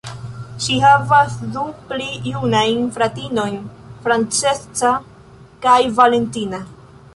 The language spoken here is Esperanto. Ŝi havas du pli junajn fratinojn, Francesca kaj Valentina.